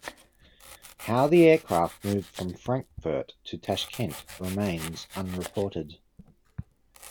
How the aircraft moved from Frankfurt to Tashkent remains unreported.